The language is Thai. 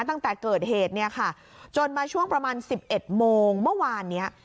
ตั้งแต่เกิดเหตุเนี่ยค่ะจนมาช่วงประมาณ๑๑โมงเมื่อวานเนี้ย